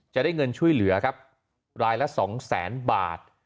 จะได้เงินช่วยเหลือครับรายละสองแสนบาท